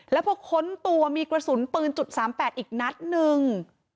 แล้วพอค้นตัวมีกระสุนปืน๓๘อีกนัดนึง